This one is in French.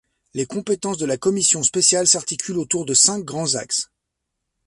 Les compétences de la commission spéciale s’articulent autour de cinq grands axes.